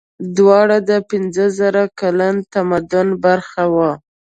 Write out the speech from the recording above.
دواړه د پنځه زره کلن تمدن برخه وو.